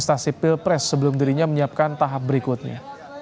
kontestasi pilpres sebelum dirinya menyiapkan tahap berikutnya